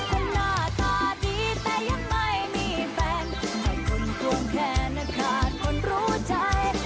หน้าตาดีแต่ยังไม่มีแฟนแต่คนทวงแขนขาดคนรู้ใจ